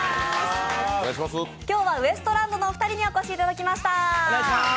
今日はウエストランドの２人にお越しいただきました。